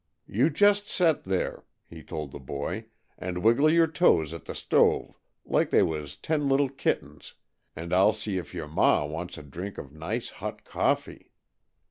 "You just set there," he told the boy, "and wiggle your toes at the stove, like they was ten little kittens, and I'll see if your ma wants a drink of nice, hot coffee."